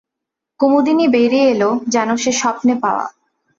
কুমুদিনী বেরিয়ে এল যেন সে স্বপ্নে-পাওয়া।